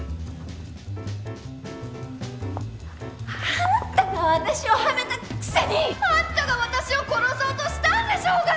あんたが私をはめたくせに！あんたが私を殺そうとしたんでしょうが！